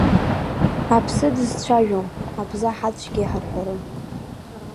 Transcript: Аԥсы дызцәажәом, абза ҳацәгьа иҳарҳәарым.